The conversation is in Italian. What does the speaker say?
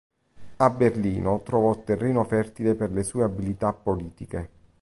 A Berlino trovò terreno fertile per le sue abilità politiche.